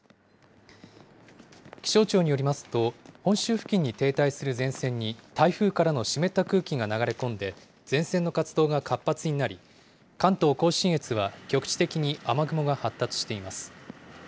気象庁によりますと、本州付近に停滞する前線に、台風からの湿った空気が流れ込んで、前線の活動が活発になり、関東甲信越は局地的に雨雲が発達しています。